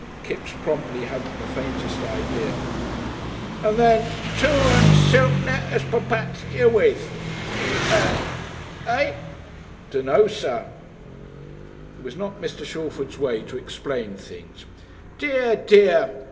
Kipps promptly hadn't the faintest idea. "And then, '2 ea. silk net as per patts herewith': ea., eh?" "Dunno, sir." It was not Mr. Shalford's way to explain things. "Dear, dear!